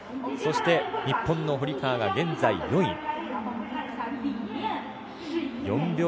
そして日本の堀川が現在４位。